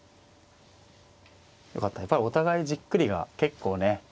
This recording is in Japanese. やっぱりお互いじっくりが結構ね